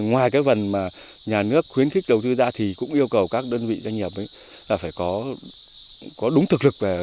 ngoài phần nhà nước khuyến khích đầu tư ra thì cũng yêu cầu các đơn vị doanh nghiệp phải có đúng thực lực